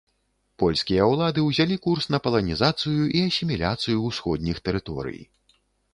Польскія ўлады ўзялі курс на паланізацыю і асіміляцыю ўсходніх тэрыторый.